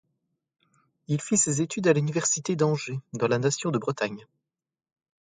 Il fit ses études à l'université d'Angers, dans la nation de Bretagne.